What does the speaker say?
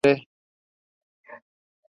yo no beberé